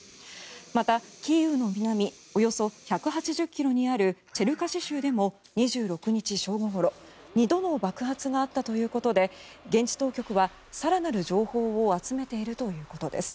また、キーウの南およそ１８０ｋｍにあるチェルカシ州でも２６日正午ごろ２度の爆発があったということで現地当局は更なる情報を集めているということです。